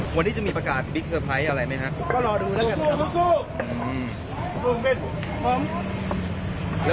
พบอธิบายคู่พวาห์แม่กลุ่มอันดับเปิด